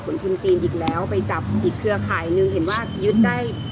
ทุนจีนอีกแล้วไปจับอีกเครือข่ายหนึ่งเห็นว่ายึดได้